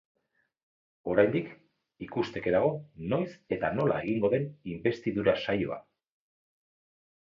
Oraindik ikusteke dago noiz eta nola egingo den inbestidura saioa.